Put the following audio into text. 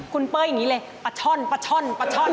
คุณเป้อยังงี้เลยปะช่อน